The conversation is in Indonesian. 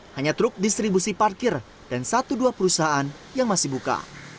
hanya truk distribusi parkir dan satu dua perusahaan yang masih buka